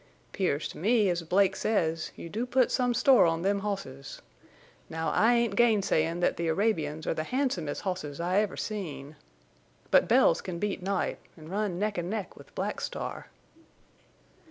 "'Pears to me, as Blake says, you do put some store on them hosses. Now I ain't gainsayin' that the Arabians are the handsomest hosses I ever seen. But Bells can beat Night, an' run neck en' neck with Black Star."